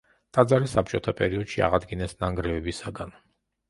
ტაძარი საბჭოთა პერიოდში აღადგინეს ნანგრევებისაგან.